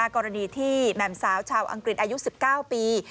กรณีที่แหม่มสาวชาวอังกฤษอายุ๑๙ปี